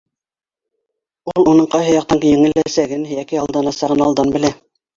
Ул уның ҡайһы яҡтан еңеләсәген йәки алданасағын алдан белә.